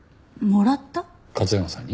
勝山さんに？